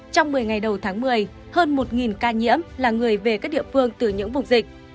từ tháng một mươi hơn một ca nhiễm là người về các địa phương từ những vùng dịch